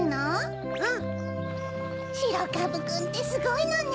しろかぶくんってすごいのね。